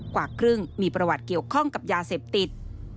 กว่าครึ่งมีประวัติเกี่ยวข้องกับยาเสพติด